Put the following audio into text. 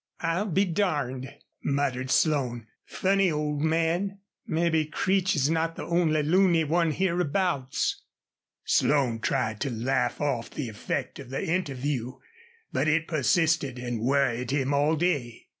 "I'll be darned!" muttered Slone. "Funny old man. Maybe Creech's not the only loony one hereabouts." Slone tried to laugh off the effect of the interview, but it persisted and worried him all day.